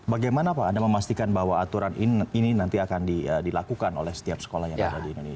bagaimana pak anda memastikan bahwa aturan ini nanti akan dilakukan oleh setiap sekolah yang ada di indonesia